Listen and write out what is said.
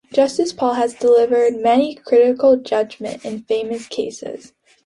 Justice Pal has delivered many critical judgements in famous cases.